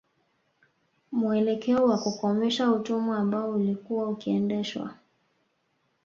Muelekeo wa kukomesha utumwa ambao ulikuwa ukiendeshwa